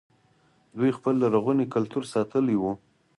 دوی خپل لرغونی کلتور ساتلی و